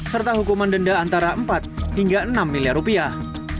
serta hukuman denda antara empat hingga enam miliar rupiah